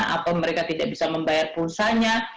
atau mereka tidak bisa membayar pulsanya